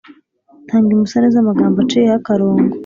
Tanga imbusane z’amagambo aciyeho akarongo.